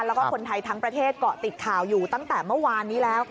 แล้วก็คนไทยทั้งประเทศเกาะติดข่าวอยู่ตั้งแต่เมื่อวานนี้แล้ว